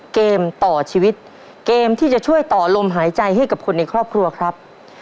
เกมต่อชีวิตเกมที่จะช่วยต่อลมหายใจให้กับคนในครอบครัวครับ